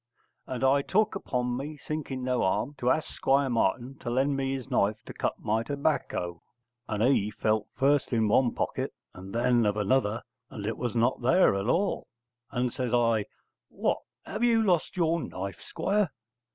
And I took upon me, thinking no harm, to ask Squire Martin to lend me his knife to cut my tobacco. And he felt first of one pocket and then of another and it was not there at all. And says I, 'What! have you lost your knife, Squire?'